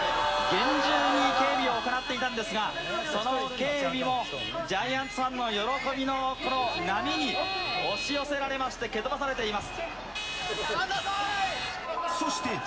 厳重に警備を行っていたんですが、その警備も、ジャイアンツファンの喜びのこの波に押し寄せられまして、蹴飛ば下がりなさい！